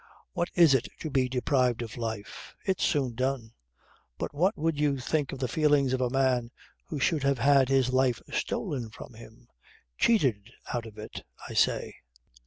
What is it to be deprived of life? It's soon done. But what would you think of the feelings of a man who should have had his life stolen from him? Cheated out of it, I say!"